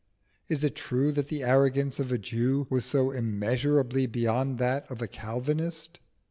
Is it true that the arrogance of a Jew was so immeasurably beyond that of a Calvinist?